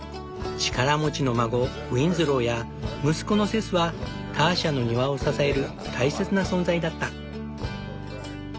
力持ちの孫ウィンズローや息子のセスはターシャの庭を支える大切な存在だった。